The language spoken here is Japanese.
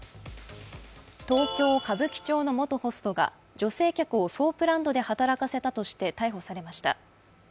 東京・歌舞伎町の元ホストが女性客をソープランドで働かせたとして逮捕されました。